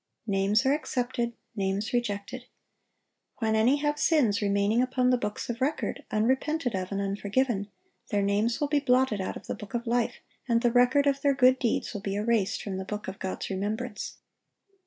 Names are accepted, names rejected. When any have sins remaining upon the books of record, unrepented of and unforgiven, their names will be blotted out of the book of life, and the record of their good deeds will be erased from the book of God's remembrance.